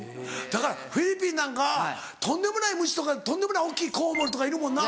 だからフィリピンなんかとんでもない虫とかとんでもない大きいコウモリとかいるもんな。